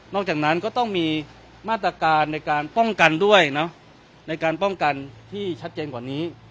จากนั้นก็ต้องมีมาตรการในการป้องกันด้วยในการป้องกันที่ชัดเจนกว่านี้